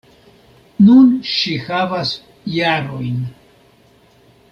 Nun ŝi havas jarojn.